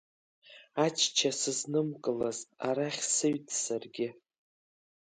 Ачча сызнымкылазт арахь сыҩт саргьы.